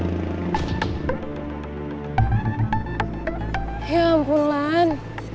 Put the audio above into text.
ya ampun lan